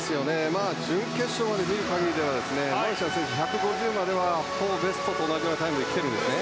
準決勝まで見る限りではマルシャン選手は１５０まではほぼベストと同じようなタイムで来てるんですね。